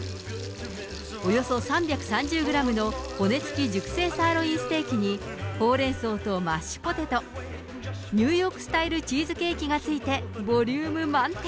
およそ３３０グラムの骨付き熟成サーロインステーキに、ホウレンソウとマッシュポテト、ニューヨークスタイルチーズケーキがついてボリューム満点。